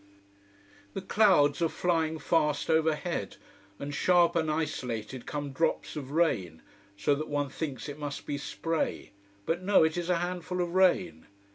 The clouds are flying fast overhead: and sharp and isolated come drops of rain, so that one thinks it must be spray. But no, it is a handful of rain.